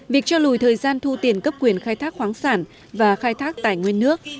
việc cho lùi thời gian thu tiền cấp quyền khai thác khoáng sản và khai thác tài nguyên nước